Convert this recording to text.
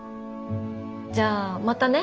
じゃあまたね。